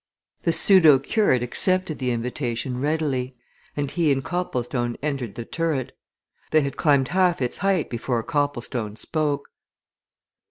The pseudo curate accepted the invitation readily, and he and Copplestone entered the turret. They had climbed half its height before Copplestone spoke.